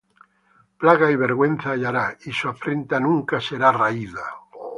Plaga y vergüenza hallará; Y su afrenta nunca será raída.